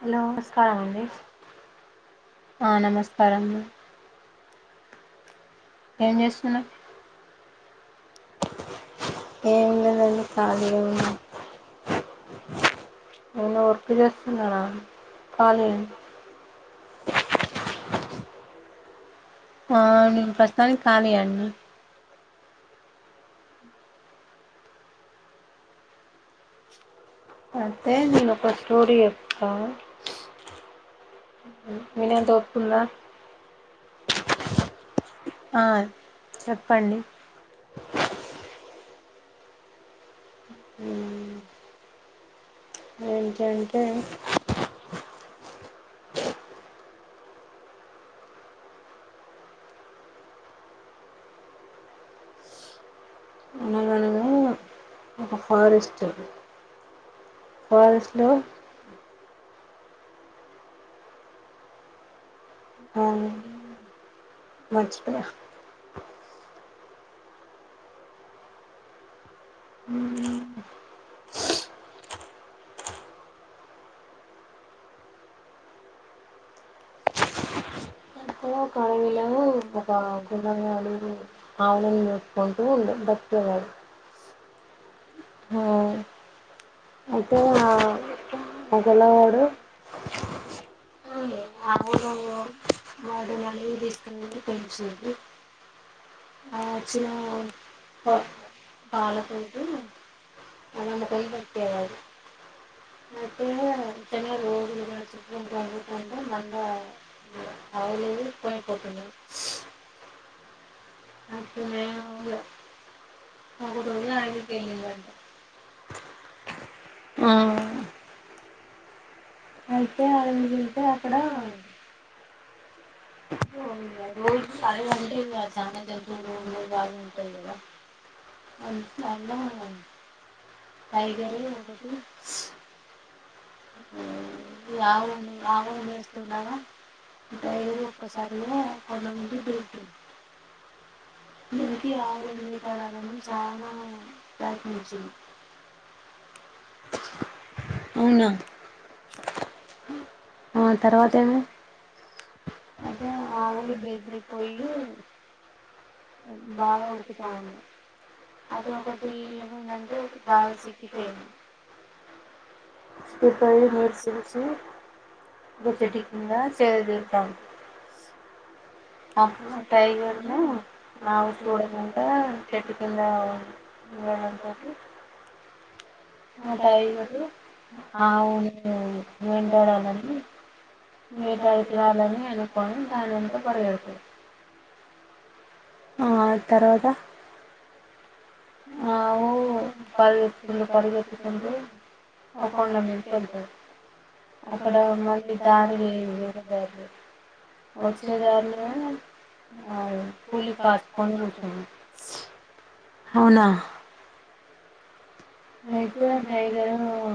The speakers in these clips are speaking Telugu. హలో నమస్కారం అండి ఆ నమస్కారం ఏం చేస్తున్నారు ఏంలేదండి ఖాళీగా ఉన్న ఏవన్నా వర్క్ చేస్తున్నారా ఖాళీ అం ఆ నేను ప్రస్స్తుతానికి ఖాళీ అండి అయితే నేను ఒక స్టోరీ చెప్తా విన్నేంత ఓపిక ఉందా ఆ చెప్పండి ఊ ఏంటంటే అనగనగ ఒక ఫారెస్ట్ ఫారెస్ట్లో ఆ మర్చిపోయా ఊ అంతే ఒక అడవిలో ఒక కుర్రవాడు ఆవులను మేపుకుంటూ ఉండే బతికేవాడు ఉమ్ అయితే ఆ ఆ పిల్లవాడు ఆవును ఆవులు వాటిని అడివి తీస్కెల్లి పెంచేది ఆ వచ్చిన ప పాలతోటి అవి అమ్ముకొని బ్ర బతికేవాడు అయితే చే [unintelligible] రోజులు కూడా చెప్పుకుంటా పోతా అంటే మంద ఇ ఆవులు కోయపోతుండే అ [unintelligible] ఒకటిన్నదని తెలియదండి ఆ అయితే [unintelligible] తే అక్కడ రోజు సర అంటే ఇ చ తెలుసు రో బాగా ఉంటంది కదా అయితే అట్లా ఇగ టైగర్ ఓ ఇ ఆవులను ఆవులు మేస్త ఉండగా టైగర్ ఒక్కసారిగా కొండ మీనుంచి దూకింది దునికి ఆవులను వేటాడాలని చానా ప్రయత్నించింది అవునా ఆ తర్వాత ఏమైంది అదే ఆవులు జై బోత ఉంటే బాగా ఊరుకుతాంది అది ఒకటే గమ్యం చేరింది ఇప్పుడు అది నీరసించి ఓ చెట్టు కిందకి చేరుకుంది అప్పుడు టైగర్ ను నేను చూడకుండా చెట్టు కింద ఉండడం తోటి ఆ టైగర్ ఆవుని వెంటాడాలని మీపైకి రావాలని అనుకోని దాని వెనుక పరుగెడుతుంది ఆ తర్వాత ఆ ఆవు పరుగేత్తుకుంటూ పరుగేత్తుకుంటూ ఆ కొండ మీదికి వెల్తది అక్కడ మళ్ళీ దారి లేదు వేరే దారి వచ్చే దారిలో అది కూలి పాచి పనులు చేస్తుంది అవునా అయితే టైగరా ఆ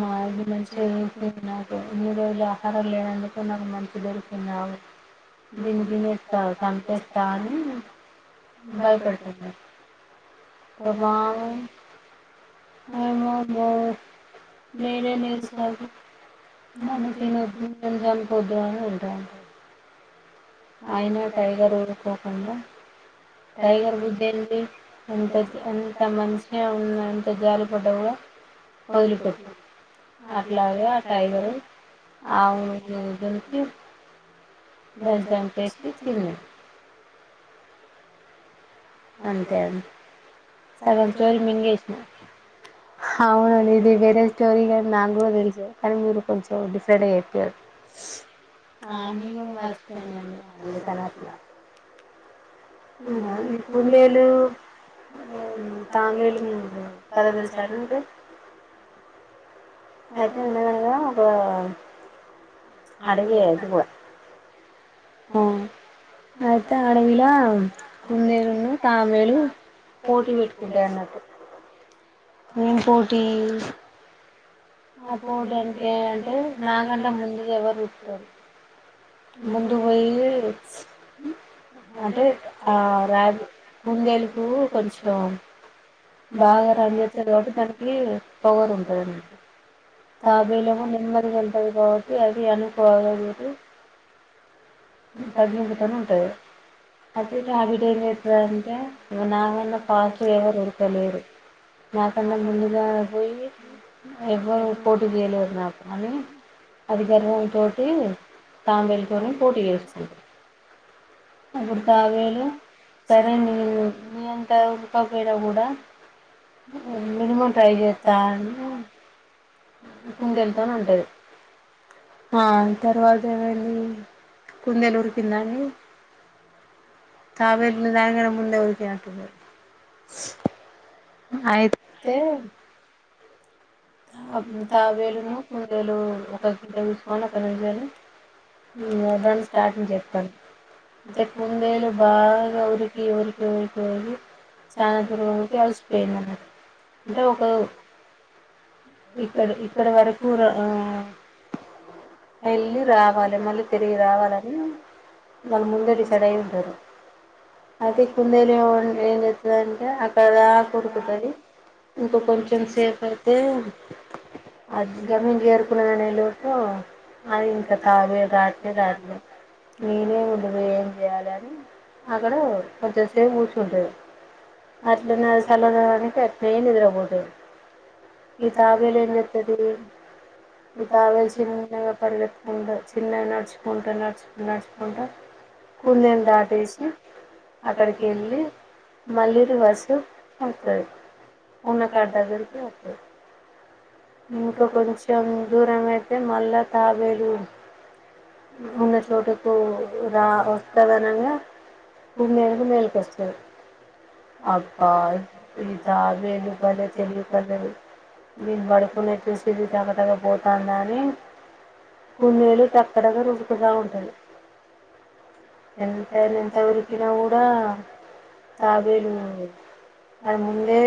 నాకు మంచి చేసింది నాకు మూడు రోజులు ఆహారం లేనందుకో నాకు మంచిగా దొరికింది దీన్ని తినేస్తా సంపేస్తా అని భయపడుతున్నారు వావ్ వామ్మో నేనే నేర్పుతన్నా మనిషిని దూడ ను చంపద్దు అని అంటన్రు ఆయినా టైగర్ ఊరుకోకుండా టైగర్ బుద్ది ఎట్లా ఉంటది ఎంత మంచిగా ఉన్నదని అంత జాలిపడ్డవుగా వదిలిపెట్టి అట్లాగే ఆ టైగరు ఆవును దూడ తో కల్సి దంచాము అని చెప్పింది అంతే అండి సగం చెవులు మింగేసింది అవునండి ఇది వేరే స్టోరీ కానీ నాకు కూడా తెలుసు కానీ మీరు కొంచెం డిఫరెంట్ గా చెప్పారు అది కూడా మర్చిపోయిన అందుకనే అట్లా ఆ ఈ కుందెలు తాబేలు కథ తెలుసా నీకు అయితే ఉన్నది ఒకగానొక అడుగేయచ్చు అయితే అడవిల కుందేలున్ను తాబేలు పోటీ పెట్టుకుంటది అన్నట్టు [inaudible] ఏం పోటీ ఆ పోటీ ఏంటి అంటే నాకంటే ముందు ఎవరు ఉరుకుతరో ముందు పోయింది అంటే ఆ రోజు కుండేలుకు కొంచెం బాగా రన్ చేస్తారు కాబట్టి తనకి పోగరు ఉంటది. తాబేలు ఏమో నెమ్మదిగా వెళ్తది కాబట్టి అది అందుకోదు [inaudible] కుందెలుఉరుకుతనే ఉంటది. రాబిట్ ఏం అనుకుంటదంటే నాకన్నా పాస్ట్ గా ఎవరు ఉరుకలేరు నాకన్నా ముందుగా పోయి ఎవరు పోటీ చేయలేరు నాకు అని, అది గర్వం తోటి తాబేలు తోటి పోటీ చేసుకుంటది. అప్పుడు తాబేలు. సరే, నీళ్ళు ఎంతమైన కూడ ఉండాలి. మినిమం, ట్రై చేత అం కుందేలు తోని అంటది. ఆ తర్వాత ఏమంది? కుందెలు ఉరికింద అండి. తాబేలు దానికన్నా, ముందే ఉరికినట్టున్నది. అయితే తాబేలును, కుందేలు, ఒక గింట చూసుకొని అక్కడ ఎం చేయాలి. ఇగా, దాన్ని స్టార్ట్ంగ్ చెప్పన్. అంటే కుందేలు, బాగా ఉరికి, ఉరికి, ఉరికియి చానా సేపటి వరకు అలసిపోయిందన్నట్టు. అంటే ఒక వ్ ఇక్కడ, ఇక్కడ వరకు రా ఆ తేళ్లి రావాలి, మళ్ళీ తిరిగి రావాలని. వాళ్ళు, ముందే డిసైడయి ఉంటరు. అది కుందేలు ఏం చేస్తుంది. అంటే అక్కదాక కురుకతది. ఇంకా, కొంచెం సేపు అయితే. అది గమ్యం, అ చేరుకునే లోపు. అది ఇంకా, తాబేలు రాట్లే, రాట్లే నేనే ముందు పోయి ఏం చేయాలని. అక్కడ, కొంచెంసేపు కూర్చుంటది. అట్లనే, చల్లదానానికి అట్లనే నిద్రపోతది. ఈ తాబేలు ఏం చేస్త్ది. ఈ తాబేలు, చిన్నగా పరిగెత్తుకుంటా, చిన్నగా నడుచుకుంటా నడుచుకుంటా. కుందేలును దాటేసి. అక్కడికి వెళ్ళి, మళ్లీ రివర్స్ వస్తాది. ఉన్న కద వెరుకు [unintelligible] ఇంకా కొంచెం, దూరమయితే మళ్ళా తాబేలు. ఉన్న చోటకు రా వస్తది. అనగా కుందేలుకు మేలకొస్తది. అబ్బా, ఈ తాబేలు బలే తెలివికల్లది. నేను పడుకునే చూసి, ఇది టకటక పోతుందని కుందేలు. టక్ టకటక ఉరుకుతా ఉంటది. ఎంతెన, ఎంత ఉరికిన గూడా తాబేలు, అది ముందే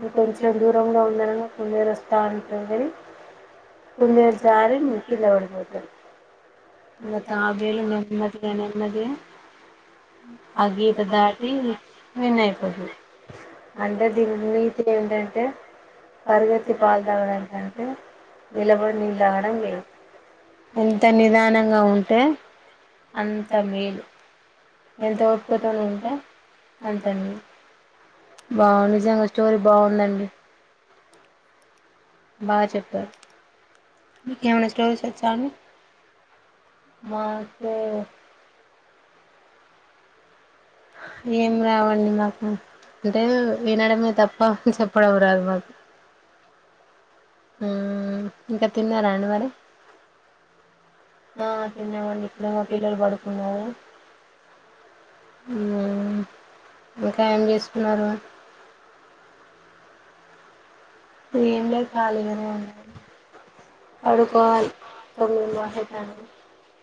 ఇంకొంచం దూరంలో, ఉన్న కొందెలు వస్తా ఉంటది. కుందేలు, జారి కింద పడిపోతది. ఇగా, తాబేలు నెమ్మది గా, నెమ్మదిగా ఆ గీత దాటి వినయపోతది. అంటే, దీని నీతి ఏంటంట? పరిగెత్తి పాల్ తాగడానికంటే, నిలబడి నీళ్ళతగడం మేలు. అంతేనా గా ఉంటే అంత మేలు ఎంత ఒపికతోని, ఉంటే అంత మేలు. బాగుంది. నిజంగా స్టోరీ బాగుందండి. బాగ చెప్పారు. నీకేమైనా స్టోరీస్ వచ్చాండి. మాకు ఏం రావండి నాకు. అదే వినడమే, తప్ప చెప్పడం రాదు. మాకు ఆ ఇంక తిన్నార అండి మరి ఆ తిన్నాేమండి ఇప్పుడె మ పిల్లలు పడుకున్నారు ఆ ఇంక ఏం చేసుకున్నారు ఏం లే ఖాళీగనే ఉండదు పడుకోవాలి తొమ్మిది [unintelligible]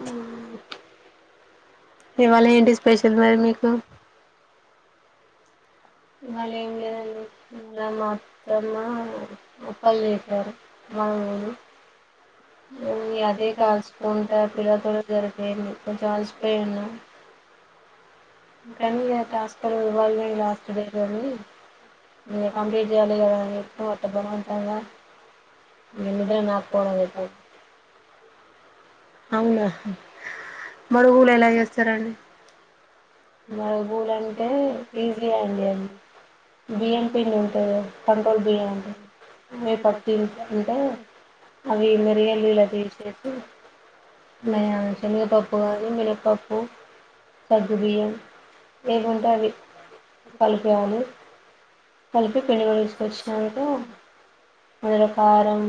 ఉ ఇవాళ ఏంటి స్పెషల్ మరి మీకు ఇవాల్లెం లేదండి మ అత్తమ్మ ముప్పయి చేసారు హాయ్ అండి అదే కాల్చుకుంటా పిల్లతో జరిగిపోయింది కొంచెం అల్సిిపోయాను కనీయ ట్రాస్పర్ ఇవ్వాల లాస్ట్ డే కాని అ కంప్లీట్ జేయాలీగ వ బమంటాంగా మీ మీద నా కోడుంగత అవునా మరుగులెలా చేస్త రండి మన పూలంటే ఈజీ అ అండి అది బియ్యం పిండి ఉంటది కంట్రోల్ బియ్యం అం ఏ పర్టీన్ తింటే అవి మిరియన్లిల చేసేసి మయ శెనగపప్పు గాని మినపప్పు సగ్గుబియ్యం లేగుంటే అవి కలిపేయాలి కలిపి పిండి కొల్చున్నాక అందులో కారం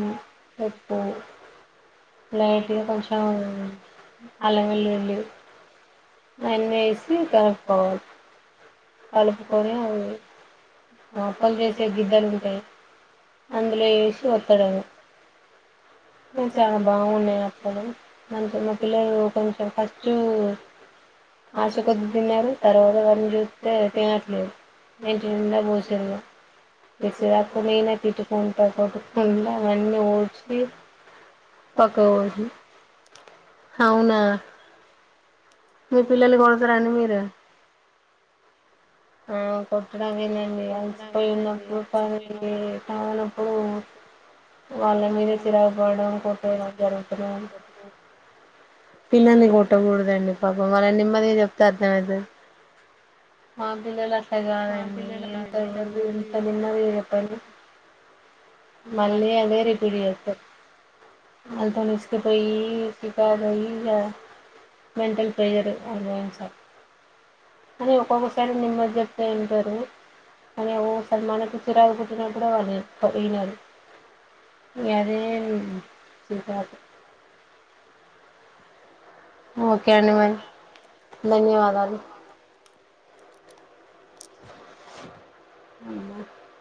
ఉప్పు లైట్గ కొంచం అల వెల్లుడి అన్నీ కి ట్యాం పోల్ కలుపుకోని అప్పలు చేసే గిద్దలు ఉంటాయి అందులో వేసి వత్తడమే చాల బాగున్నాయి అప్పలు మన మా పిల్లలు కొంచెం ఫస్ట్ ఆశ కొద్దు తిన్నారు తర్వాత వాటిని చూస్తే తినట్లేదు నేను గిన్ల పోస్ చరుంగ ఇట్ల రకమైనా తిట్టుకుంట కొట్టుకుండాడా అవన్నీ ఓడ్చి పకో అవున మీ పిల్లల్ని కొడతారండి మీరు కొట్టడం మేందండి అలసిిపోయి ఉన్నప్పుడు కానీ కావునప్పుడు వాళ్ళ మీదె చిరాగ్పోవడం కొట్టుకోవడం జరుగుతున్నాయండి పిల్లల్ని కొట్టగూడదండి పాపం వాళ్ళని నిమ్మదిగ చెపై అర్థం అయితది అట్ట కాదండి ఎంతంతదిన్న వే ప మళ్లి అదే రిపీట్ చేస్తది ఆల్తోన్ తీసుకోపోయి [unintelligible] ఇగ మెంటల్ చేయరు అరవైంసాల్ అని ఒక్కొక్కసారి నిమ్మ దే చెప్తే వింటారు కానీ ఓ సారి మనక్ చిరాక్ పుట్టినప్పుడు వాళ్ళు చెప్తారు. ఈ మని యదే చికాగ్ ఓకే అండి మరి ధన్యవాదాలు అవున